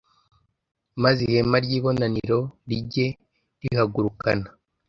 maze ihema ry’ibonaniro rijye rihagurukana